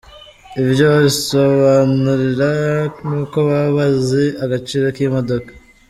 Ibyo wabinsobanurira?…nuko baba bazi agaciro k’imodoka.”